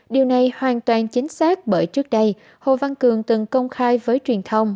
điều này hoàn toàn chính xác bởi trước đây hồ văn cường từng công khai với truyền thông